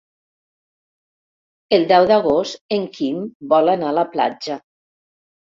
El deu d'agost en Quim vol anar a la platja.